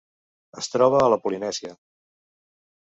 Es troba a la Polinèsia: